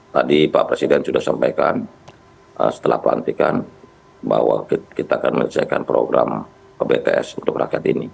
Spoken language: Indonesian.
tadi pak presiden sudah sampaikan setelah pelantikan bahwa kita akan menyelesaikan program bts untuk rakyat ini